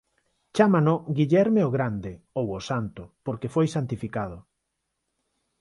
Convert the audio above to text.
Chámano Guillerme o Grande ou o Santo porque foi santificado.